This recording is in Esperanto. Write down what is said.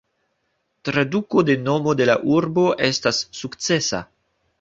Traduko de nomo de la urbo estas "sukcesa".